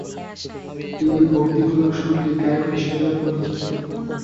তিনি ভক্তিমূলক সংগীত গায়ক হিসাবেও পরিচিত।